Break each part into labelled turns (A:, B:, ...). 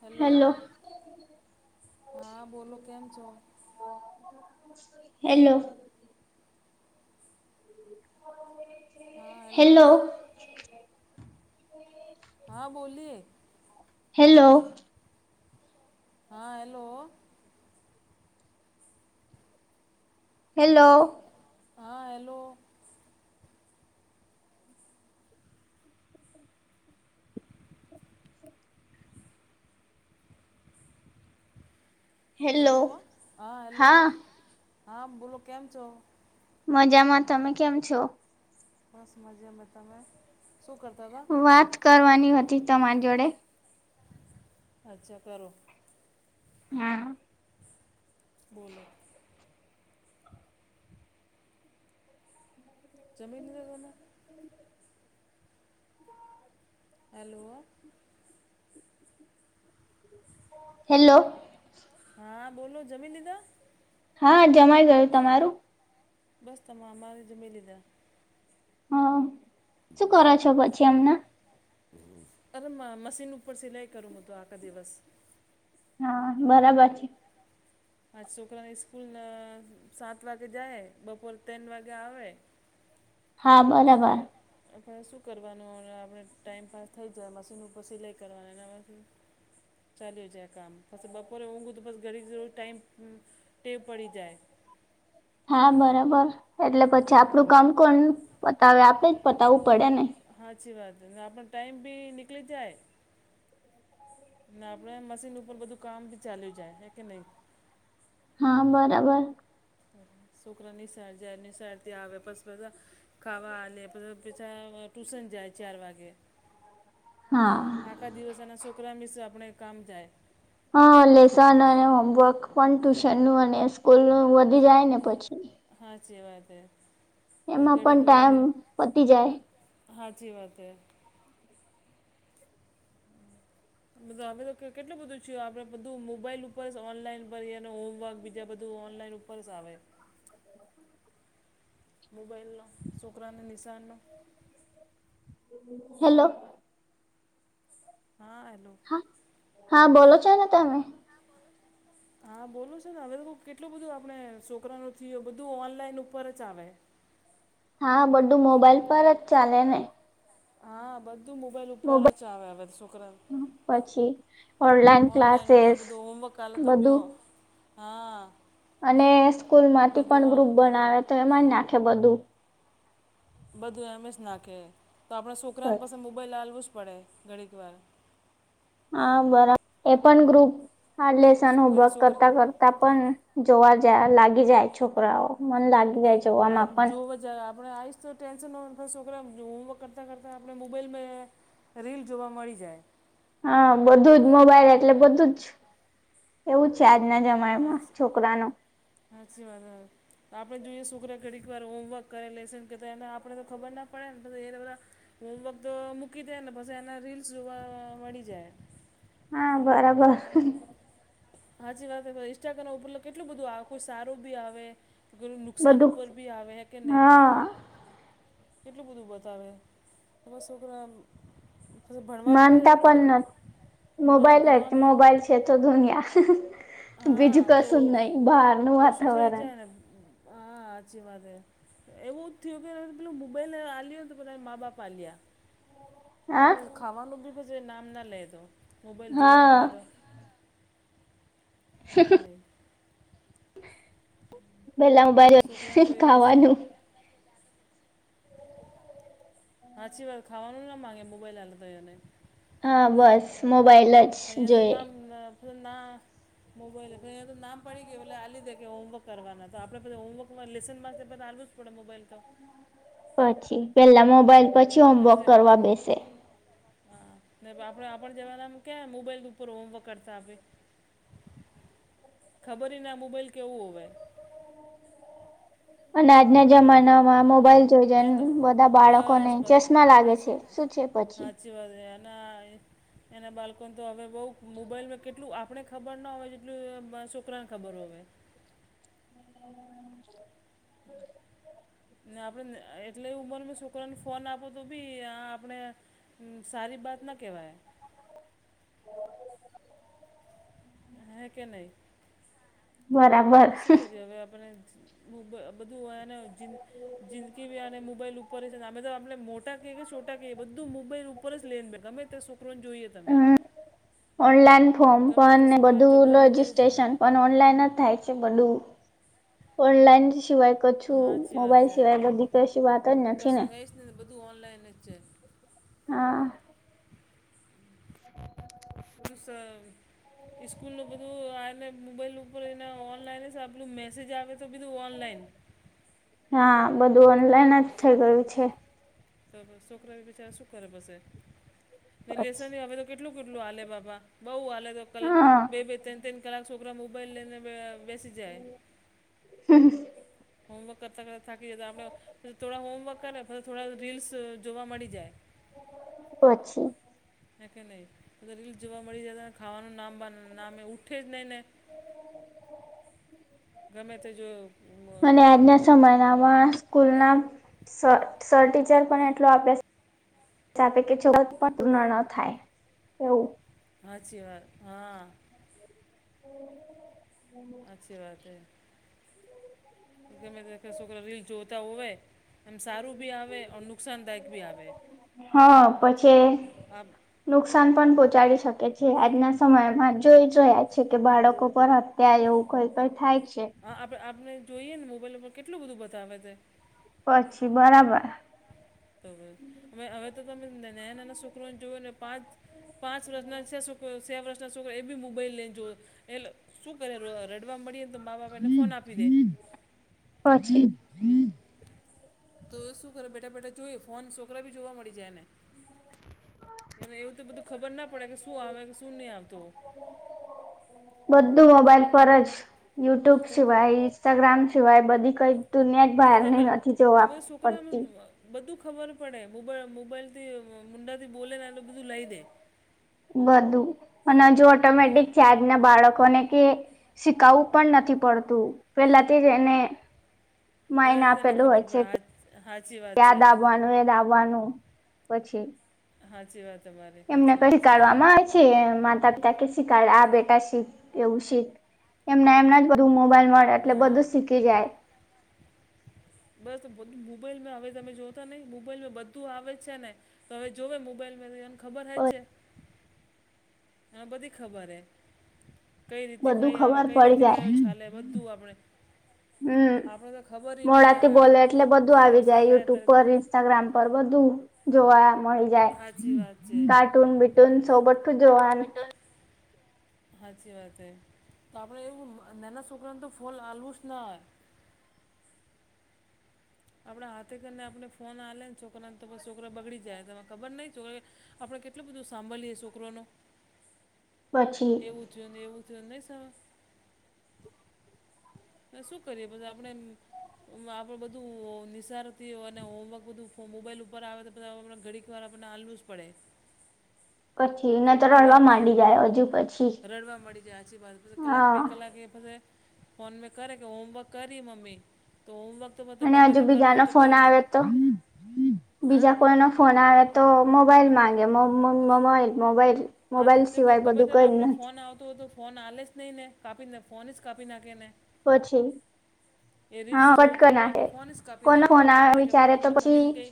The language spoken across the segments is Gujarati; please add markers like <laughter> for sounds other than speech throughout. A: હેલો હા બોલો કેમ છો?
B: હેલો.
A: હા હલો.
B: હેલો
A: હા બોલીએ.
B: હેલો.
A: હા હેલો
B: હેલો.
A: હા હેલો. હેલો હા હેલો હા બોલો કેમ છો?
B: મજામાં તમે કેમ છો?
A: બસ મજેમે તમે શું કરતા હતા.
B: વાત કરવાની હતી તમારી જોડે
A: અચ્છા કરો.
B: હા
A: બોલો. જમીન લેવાના
B: <inaudible>
A: હેલો. <inaudible>
B: હેલ્લો.
A: હા બોલો જમી લીધા
B: હા જમાઈ ગયું તમારું
A: બસ તમે અમારે જમી લીધા
B: હ શું કરો છો પછી એમના
A: તમે માં મશીન ઉપર સિલાઈ કરું મુતો આખા દિવસ
B: હા બરાબર
A: આજ છોકરાની સ્કૂલ સાત વાગે જાય બપોર તેન વાગે આવે
B: હા બરાબર
A: હ શું કરવાનું આપણે ટાઈમપાસ થઈ જાય મશીન ઉપર સિલાઈ કરવાનું એનામાંથી ચાલ્યું જાય કામ પછી બપોરે ઊંઘું તો બસ ઘડી ઘરું ટાઈમ ટેવ પડી જાય
B: હા બરાબર એટલે પછી આપણું કામ કોણ પતાવે આપણેે જ પતાવવું પડે ને
A: હા અચછી વાત આપનો ટાઈમ ભી નિકલી જાય આપણે મશીન ઉપર બધું કામ બથી ચાલ્યું જાય હે કે નહી
B: હા બરાબર
A: છોકરા નિસાર જાય નિસાર થી આવે પાછા ખાવા અને પછી ટ્યુશન જાય ચાર વાગે
B: હા
A: આખા દિવસના છોકરા મિશ્ર આપણે કામ થાય
B: હા લેસન અને હોમવર્ક પણ ટ્યુશન નું અને સ્કૂલ નું વધી જાય ને પછી
A: હા અચી વાત હ બસ
B: એમાં
A: ઘડી
B: પણ
A: કે વાદ
B: ટાઈમ પતી જાય
A: સાાચી વાત હૈ મ અમે તો કેટલું બધું છેયું આપડે બધું મોબાઈલ ઉપર ઓનલાઈન ભ અને હોમવર્ક બીજા બધું ઓનલાઈન પરસ આવેે મોબાઈલનો છોકરાને નિશાનનો
B: હેલો
A: હા હલો
B: હા બોલો છો ને તમે
A: હા બોલો છે ને હવે તો કેટલું બધું આપણે છોકરાનુંથી બધું ઓનલાઈન ઉપર જ આવે
B: હા બધું મોબાઈલ પર જ ચાલે ને
A: હા બધ બ મોબાઈલ ઉપર જ આવેધ છોકરા
B: પછી
A: ઓનલાઈન ઉપર બધું હોમવર્ક કલે તો બ
B: બધું
A: હા
B: અને સ્કૂલ માંથી
A: બધું
B: પણ
A: ઓન
B: ગ્રુપ બનાવે તો એમાં નાખે બધું
A: બધું એમ જ નાખે તો આપણે છોકરાને પાસે મોબાઈલ હાલવું જ પડે ઘડીક વાર
B: હા બરાબર એ પણ ગ્રુપ લે
A: તો
B: સન
A: શું કરીએ
B: હોમવર્ક
A: છોકરા
B: કરતા કરતા પણ જોવા જ લાગી જાય છોકરા મને લાગી જાય છે
A: અ જો આપણે આવીશ તો ટેન્શન બસ છોકરા હોમવર્ક કરતા કરતાં આપણે મોબાઈલ રીલ જોવા મળી જાય
B: હા બધું જ મોબાઈલ એટલે બધું જ એવું જ છે આજના જમાનામાં
A: હાચી
B: છોકરાનું
A: સાચી વાત આપણે જોઈએ શુક્ર ઘડીક વાર હોમવર્ક કરે લેશે કેને આપણે તો ખબર ના પડે ને એ બધા તો વક્ત મૂકી દાય ને પછી એના રીલ્સ જોવા મળી જાય
B: હા બરાબર
A: હાજી વાત ઇસ્ટાગ્રામ ઉપર કેટલું બધું આવે કોઈ સારું બી આવે નુકસાન
B: બધું
A: ઉપર બી આવે કે નહીં
B: હા
A: કેટલું બધું બતાવે તો બસ છોકરા પછી ભણવામાં
B: માનતા પણ ન
A: એનું બધું
B: મોબાઈલ
A: ભણવામાં
B: મોબાઈલ છે તો ધુનિયા બીજું
A: હા પણ
B: કશું જ
A: ઓ
B: નહી બહાર ન
A: ઓછું થઈ
B: વાતાવરણ
A: જાય ને હા આચી વાત હે. એવું જ થયું કે પે મોબાઈલ આલ ને તો પે મા બાપ આલ્યા.
B: હા
A: ખાવાનું બી ક નામ ના લે તો, મોબાઈલ જોવા
B: હા
A: મળે તો. નથી નહીં
B: પેલા હું બજ
A: છોકરાને તો એવું છે
B: ખાવાનું.
A: હાચી વાત ખાવાનું ના માગે મોબાઈલ હાલ તોને.
B: હા બસ મોબાઈલ જ.
A: મયા તો
B: જોઈએ
A: નામ ફજ ના. મોબાઈલહીયા તો નામ પડી ગયું એટલે લીધે કે હોમવર્ક કરવાના તો આપણે બધી હોમવર્કમાં લેસનમાં બા આ આપૂણા મોબાઈલ તો.
B: પછી પેલા મોબાઈલ પછી હોમવર્ક કરવા બેસે.
A: હા આપડે આપણ જવાના ક્યા મોબાઈલ ઉપર હોમવર્ક કરતા આપે.
B: <inaudible>
A: ખબરને આ મોબાઈલ કેવું હોવેય.
B: અને આજના જમાનામાં મોબાઈલ જોજન
A: એમ તો
B: બધા
A: બસ
B: બાળકોને ચશ્મા લાગે છે શું છે પછી.
A: આતીવાજ ના. એના બાળકોને તો હવે બઉ મોબાઈલમાં કેટલું આપણે ખબર ના હોય જેટલું છોકરાને ખબર હોય.
B: <unintelligible>
A: ને આપડણે એટલે ઉંમર મે છોકરાને ફોન આપો તો ભી આપણે હ સારી બાત ના કહેવાય. હ કે નહી.
B: બરાબર
A: શું કરી્યું હવે આપણે મો બધુંને જિંદગી બી આને મોબાઈલ ઉપર ઉપ છે ને અમે તો આપણે મોટા કહીએ કે છોટા કહીએ બધું મોબાઈલ ઉપર જ લેનબેગ ગમે ત્યા છોકરોને જોઈએ તમે.
B: હમ ઓનલાઈન ફોર્મ
A: ગમે તે
B: પણ
A: છોકરાને જો બધા
B: બધું
A: મોબાઈલ ઉપર
B: રજિસ્ટ્રેશન. પણ ઓનલાઈન જ થાય છે બધું, ઓનલાઈન સિવાય
A: હા
B: કછું
A: સાચી વાત
B: મોબાઈલ
A: છે
B: સિવાય એ બ દીકરી વાત જ નથી
A: કશું
B: ને.
A: હે જ બધું ઓનલાઈન જ છે.
B: હા.
A: હસ <unintelligible> સ્સ્કૂલ નું બધું આ મોબાઈલ ઉપર એ ઓનલાઈનલું મેસેજ આવે તો બધું ઓનલાઈન.
B: હા બધું ઓનલાઈન જ થઇ
A: છોકરા
B: ગયું છે.
A: તો બસ છોકરા બ બચારા શું કરે બસે ને,
B: પછી
A: લેસન આવેવે તો કે કેટલું કેટલું હલે બાબા બઉ હાલે તો ક
B: હા
A: બે બે તન કલાક એરા મોબાઈલ લેને બેચ જાય.
B: હમ <unintelligible>
A: હોમવર્ક કરતા કરતા થાકી જતા આપણે પી થોડા હોમવર્ક કરે પ થોડા રીલ્સ જોવા મળી જાય.
B: પછી.
A: હે કે નય રીલ જોવા મળી જાય તોને ખાવાનું નામ બા નામ એ ઉઠે જ નહીં ને. ગમે તો જોયુ.
B: અને આજના સમયનામાં સ્કૂલ ના સ સર ટીચર પણ એટલો આપે છે. હસા આપે કે ચ પણ પૂર્ણ ન થાય એવું.
A: હાચી વાત હા.
B: હમ.
A: હાચી વાત હૈ. ગમે તે કે સોકરા રીલ જોતા હોઇ. એમ સારુ ભી આવે અને નુકસાનદાયક બી આવે
B: હા પછી
A: આ
B: નુકસાન પણ પહોંચાડી શકે છે આજના સમયમાં જોઈ જ રહ્યા છેકે, બાળકો પર અ ત્યાં એવું કઈ પણ થાય છે.
A: હા આપણે આપણે જોઈએ ને મોબાઈલ ઉપર કેટલું બધું બતાવે છે.
B: પછી બરાબર
A: હવે તો તમે નાના નાના છોકરાને જુઓ ને પાંચ પાંચ વર્ષના છે <unintelligible> છ વર્ષના એ ભી મોબાઈલ લઈને જોવે. એ લોકો શું કરે રડવા મળીએને તોમા બાપ એને ફોન આપી દે
B: પછી
A: તો શું કરે બેઠા બેઠા જોઈ ફોન છોકરા ભી જોવા મળી જાય એને હવે એવું તો બધું ખબર ના પડે કે શું આવે કે શુ નહી આવતુ.
B: બધું મોબાઈલ પર જ યુટ્યુબ
A: તો
B: સિવાય ઇન્સ્ટાગ્રામ સિવાય બધી કઈ દુનિયા જ
A: હવે તો
B: બહાર ની
A: તમે
B: નથી જોવા
A: અમે તો છોકરા અમે
B: પડતી
A: બધું ખબર પડે મોબાઈલ મોબાઈલ થી મુંડાથી બોલે ને એટલે બધુ લઈ દે
B: બધું અને જો
A: તો
B: ઓટોમેટિક ચાર્જ ને બાળકોને કે શીખવવું પણ નથી પડતું પેલાથી જ એને માઇન્ડ
A: પહેલાંથી એને
B: આપેલું હોય
A: ખબર
B: છે
A: પડે હા સાચી વાત છે
B: યાદ આવવાનુ પછી
A: સાચી વાત તમારી
B: એમને
A: સાચી
B: કઈ
A: વાત છે.
B: શીખડવામાં આવે છે માતા પિતા કે શીખાડે આ બેટા શીખ એવું શીખ એમના એમના જ બધું મોબાઈલ મળે એટલે
A: હા
B: બધું શીખી જાય.
A: બસ <unintelligible> મોબાઈલમાં હવે તમે જોતા નહી મોબાઈલ બધું આવે જ છેને. તો હવે જોવે મોબાઈલમાં એને ખબર હ છે. હા બધી ખબર હૈ કઈ રીતે
B: બધું
A: કઈ આવે
B: ખબર
A: કઈ
B: પડી
A: રીતે
B: જાય
A: કયો ચાલે બધું આપણે
B: હમ
A: આપણે તો ખબર ય નહીં
B: મોઢાથી
A: હાલ
B: બોલે એટલે
A: કે
B: બધું આવી
A: વોટ્સઅપ
B: જાય
A: કયા
B: યુટ્યુબ
A: તરત હાલ
B: પર ઈન્સ્ટાગ્રામ પર બધું જોવા મળે
A: સાચી
B: જાઈ
A: વાત છે
B: કાર્ટૂન બિટુન સો બધુંજ જોવાન
A: સાચી વાત છે તો આપણેે એવું નાના છોકરાને તો ફોલ હાલવુ જ ના આપણા હાથે કરીને આપણને ફોન હાલે ને છોકરાને તો પછી છોકરા બગડી જાય, તમે ખબર નહી. આપણે કેટલું બધું સાંભલીએ છોકરો નુ
B: <inaudible>
A: એવું થયું ને એવું થયું નહી. શું કરીએ પછી આપણે આપડે બધુ બધું નિશારોથી અને હોમવર્ક બધું મોબાઈલ ઉપર આવે તો બધા <unintelligible> ઘડીક વાર આપણને હાલવુ જ પડે
B: <inaudible> પછી ઇને તો
A: કલાક
B: રડવા માંડી જાય હજુ પછી
A: રડવા મળી જાય આછી વાત પછી કલાક બે
B: હા
A: કલાક એ પછી ફોન મે કરે કે હોમવર્ક કરી મમી તો હોમવર્ક તો બધા
B: અને
A: ગમે
B: હજુ
A: તે
B: બીજા
A: કરવા
B: નો
A: હોય તો
B: ફોન
A: કરે ને
B: આવે તો
A: હા
B: બીજા કોઈ નો ફોન આવે તો મોબાઈલ માગે મો મોબાઈઇલ મોબાઈઇલ
A: હા ગમે ત્યારે આપડ ફોન આવતો હોય તો ફોન આલે જ નહી ને કાપીને ફોન જ કાપી નાખેને
B: પછી હા
A: જોતા
B: પટકન
A: હોય તો
B: છે,
A: ફોન જ કાપી
B: કોણ
A: નાખે એને
B: હોના
A: ખબર હે કે
B: વિચાર તો
A: ફોનને
B: પછી
A: મમ્મીને કંઈ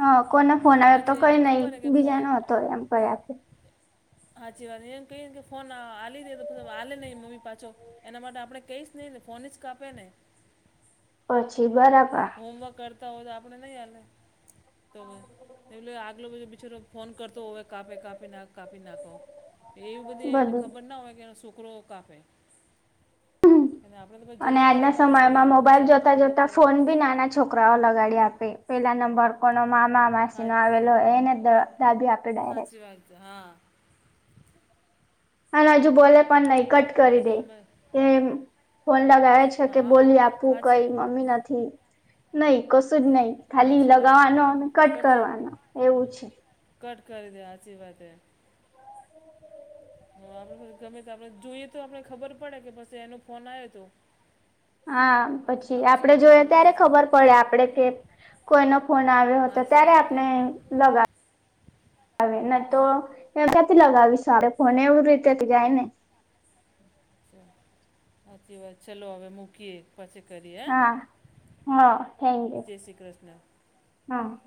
B: હા કોને ફોન આવ્યો તો
A: હાજી
B: કઈ
A: એને
B: નઈ
A: ખબર હે કે ફોન
B: બીજા ન હતો એમ કઈ આપે
A: હાચી વાત એમ કયે કે ફોન આ લી દે તો આલે નહી મમ્મી પાછો. એના માટે આપણે કહીશ નહી ને ફોન જ કાપે ને.
B: પછી બરાબા.
A: હોમવર્ક કરતા હોય તો આપણે નહીં આલે તો એટલે આગલો બજો બિચરો ફોન કરતો હોવે કાપે કાપી ના કાપી નાખો. એવી બધી એને
B: બધું
A: ખબર ના હોય કે એનો શોકરો કાપે એ આપડે તો. પછી
B: અને
A: જરૂરી
B: આજના
A: હાલવાનું શું હોય
B: સમયમાં મોબાઈલ
A: નિશાળના હોમવર્ક
B: જોતા-જોતા
A: કરે
B: ફોન બી નાના છોક છોકરાઓ લગાડી આપે પેલા નંબર કોનો મામા માસીનો આવેલો એને દાબી આપે ડાયરેક્ટ
A: હાચી વાત છે હા.
B: અન હજુ બોલે પણ નહી કટ
A: અને
B: કરી દે
A: જવામાં
B: એ. ફોન લગાવે છે
A: હા
B: કે
A: હા
B: બોલી આપવું
A: સાચી
B: કઈ મમ્મી નથી. નઈ કશું જ નહી ખાલી
A: સાચી વાત છે
B: લગાવવાનો અને કટ
A: કશું
B: કરવાનો એવું છે.
A: કટ કરી દે હાચી વાતે. હ આપડે ગમે આપડે જોઈએ તો આપડે ખબર પડે કે પછી એનો ફોન આયો તો.
B: હા પછી
A: આપણે શું
B: આપડે
A: ખબર
B: જોય
A: પડે
B: ત્યારે
A: પછી
B: ખબર પડે આપડે કે કોઈનો ફોન આવ્યો હતો
A: સાચી
B: ત્યારે
A: વાત હે
B: આપને લગાવ. હવેને તો ક્યાંથી લગાવીશું આપ ફોને એવું રીતે જાય ને
A: હમ્મ હાચી વાત ચલો હવે મૂકીએ. પછી કરીએ
B: હા હા થેન્ક
A: હ
B: યુ
A: જય શ્રી કૃષ્ણ.
B: હા.